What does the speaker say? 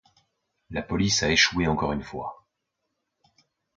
La police a échoué encore une fois.